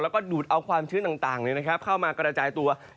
แล้วก็ดูดเอาความชื้นต่างเข้ามากระจายตัว